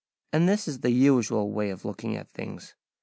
And this is the usual way of looking at things.